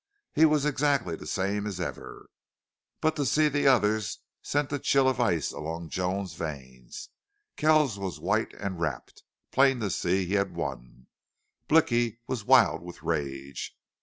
He was exactly the same as ever. But to see the others sent a chill of ice along Joan's veins. Kells was white and rapt. Plain to see he had won! Blicky was wild with rage.